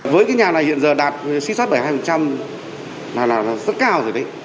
với cái nhà này hiện giờ đạt suy sát bảy mươi hai là nó rất cao rồi đấy